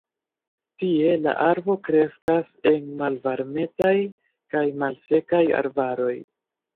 Tie la arbo kreskas en malvarmetaj kaj malsekaj arbaroj.